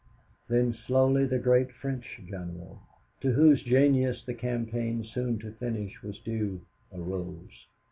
Then slowly the great French general, to whose genius the campaign soon to finish was due, arose.